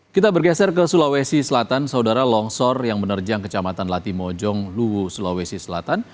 kita bergeser ke sulawesi selatan saudara longsor yang menerjang kecamatan latimojong luwu sulawesi selatan